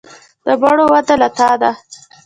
د مړو وده له تا ده.